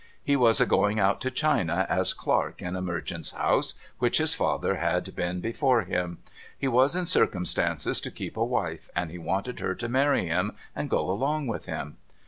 lie was a going out to China as clerk in a merchant's house, which his father had been before him. He was in circumstances to keep a wife, and he wanted her to marry him and go along with him.